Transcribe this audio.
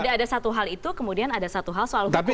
ada satu hal itu kemudian ada satu hal soal hukuman